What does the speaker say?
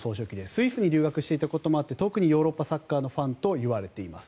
スイスに留学していたこともあって特にヨーロッパのファンだといわれています。